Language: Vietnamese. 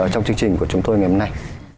trong chương trình của chúng tôi ngày hôm nay